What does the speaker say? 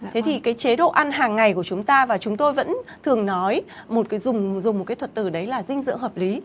thế thì cái chế độ ăn hàng ngày của chúng ta và chúng tôi vẫn thường nói dùng một cái thuật từ đấy là dinh dưỡng hợp lý